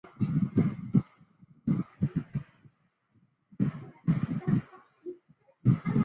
本章节中所示内容均因该栏目已停播而失效